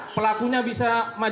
pelakunya bisa maju ke